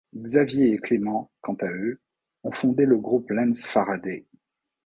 Xavier et Clément quant à eux ont fondé le groupe Lenz Faraday.